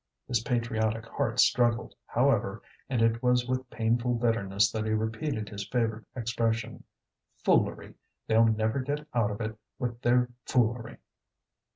His patriotic heart struggled, however, and it was with painful bitterness that he repeated his favourite expression: "Foolery! They'll never get out of it with their foolery."